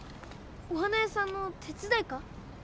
お花やさんの手伝いか？